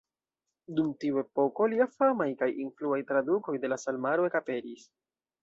Dum tiu epoko lia famaj kaj influaj tradukoj de la Psalmaro ekaperis.